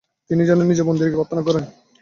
তিনি যেন নিজে মন্দিরে গিয়ে প্রার্থনা করেন।